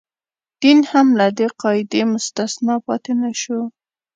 دین هم له دې قاعدې مستثنا پاتې نه شو.